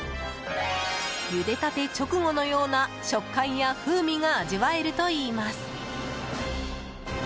ゆでたて直後のような食感や風味が味わえるといいます。